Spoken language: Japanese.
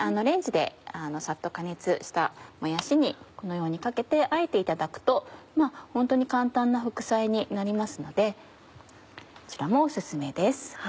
レンジでさっと加熱したもやしにこのようにかけてあえていただくとホントに簡単な副菜になりますのでこちらもお薦めです。